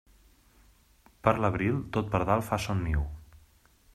Per l'abril, tot pardal fa son niu.